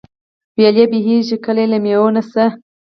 ويالې بهېږي، چي كله ئې له مېوې نه څه